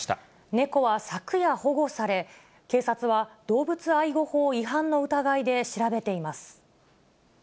猫は昨夜保護され、警察は、動物愛護法違反の疑いで調べています。